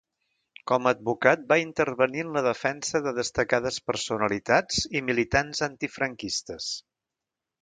Com a advocat va intervenir en la defensa de destacades personalitats i militants antifranquistes.